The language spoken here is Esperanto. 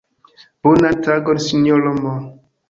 Bonan tagon sinjoro M.!